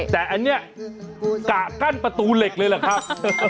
แต่อันนี้กะกั้นประตูเหล็กเลยเหรอครับ